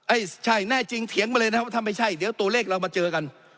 ใช่แน่จริงเถียงมาเลยนะครับว่าถ้าไม่ใช่เดี๋ยวตัวเลขเรามาเจอกัน